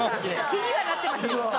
気にはなってました。